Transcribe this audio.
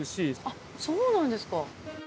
あそうなんですか。